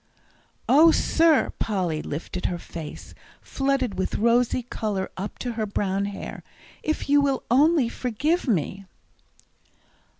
"Oh, sir," Polly lifted her face, flooded with rosy colour up to her brown hair, "if you only will forgive me?"